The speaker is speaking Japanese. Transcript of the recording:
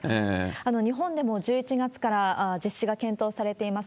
日本でも１１月から実施が検討されています